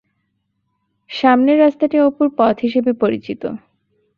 সামনের রাস্তাটি অপুর পথ হিসেবে পরিচিত।